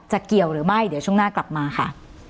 เกี่ยวหรือไม่เดี๋ยวช่วงหน้ากลับมาค่ะ